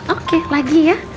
oke lagi ya